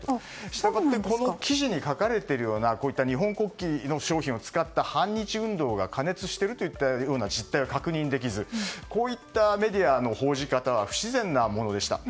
従ってこの記事に書かれているようなこういった日本国旗の商品を使った反日運動が過熱しているといったような実態は確認できずこういったメディアの報じ方は不自然なものでした。